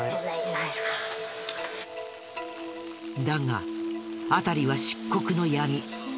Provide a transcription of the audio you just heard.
だが辺りは漆黒の闇。